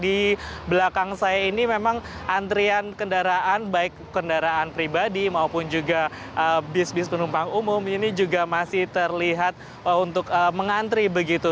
di belakang saya ini memang antrian kendaraan baik kendaraan pribadi maupun juga bis bis penumpang umum ini juga masih terlihat untuk mengantri begitu